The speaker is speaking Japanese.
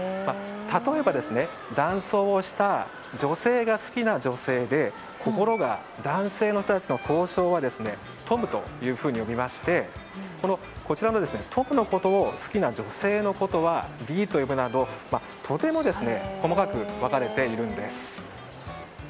例えば、男装をした女性が好きな女性で心が男性の人たちの総称はトムというふうに呼びましてトムのことを好きな女性のことはディーと呼ぶなどとても細かく分かれているんです。